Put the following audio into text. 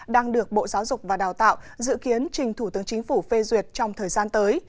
đang được bộ giáo dục và đào tạo dự kiến trình thủ tướng chính phủ phê duyệt trong thời gian tới